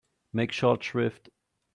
Make short shrift